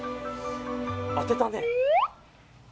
当てたね。